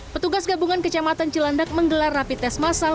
petugas gabungan kecamatan cilandak menggelar rapid test massal